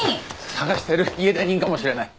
捜してる家出人かもしれない！